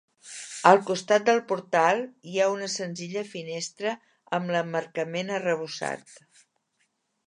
Al costat del portal hi ha una senzilla finestra amb l'emmarcament arrebossat.